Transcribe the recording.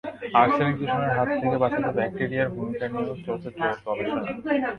Arsenic দূষণের হাত থেকে বাঁচাতে ব্যাকটেরিয়ার ভূমিকা নিয়েও চলছে জোর গবেষণা।